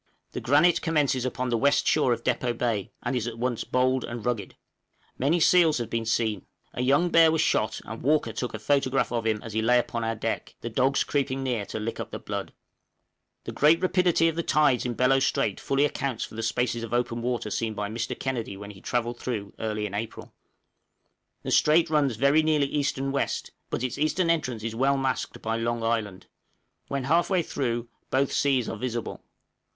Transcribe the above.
The granite commences upon the west shore of Depôt Bay, and is at once bold and rugged. Many seals have been seen; a young bear was shot, and Walker took a photograph of him as he lay upon our deck, the dogs creeping near to lick up the blood. {FLOOD TIDE FROM THE WEST.} The great rapidity of the tides in Bellot Strait fully accounts for the spaces of open water seen by Mr. Kennedy when he travelled through, early in April. The strait runs very nearly east and west, but its eastern entrance is well masked by Long Island; when half way through both seas are visible.